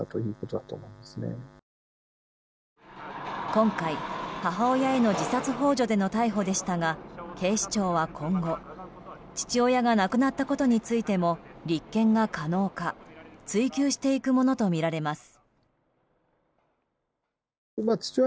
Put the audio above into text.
今回、母親への自殺幇助での逮捕でしたが警視庁は今後父親が亡くなったことについても立件が可能か追及していくものとみられます。